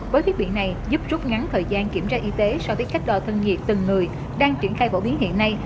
với thiết bị này giúp trút ngắn thời gian kiểm tra y tế so với cách đo thân nhiệt từng người đang triển khai phổ biến hiện nay